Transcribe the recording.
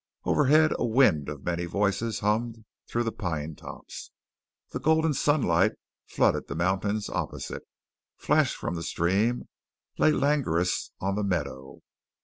Overhead a wind of many voices hummed through the pine tops. The golden sunlight flooded the mountains opposite, flashed from the stream, lay languorous on the meadow.